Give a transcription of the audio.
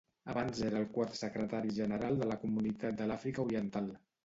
Abans era el quart Secretari General de la Comunitat de l'Àfrica Oriental.